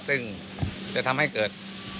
ซึ่งจะทำให้เกิด